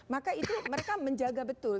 maka itu mereka menjaga betul